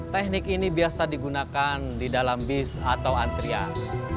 teknik ini biasa digunakan di dalam bis atau antrian